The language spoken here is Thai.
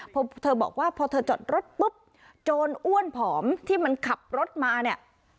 พอเธอบอกว่าพอเธอจอดรถปุ๊บโจรอ้วนผอมที่มันขับรถมาเนี่ย